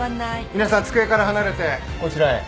皆さん机から離れてこちらへ。